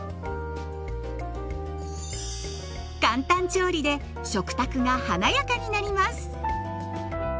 簡単調理で食卓が華やかになります。